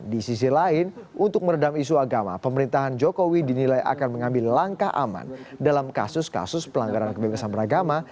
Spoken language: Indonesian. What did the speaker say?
di sisi lain untuk meredam isu agama pemerintahan jokowi dinilai akan mengambil langkah aman dalam kasus kasus pelanggaran kebebasan beragama